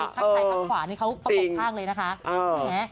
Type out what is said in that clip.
ข้างในข้างขวานี่เขาประกบข้างเลยนะคะ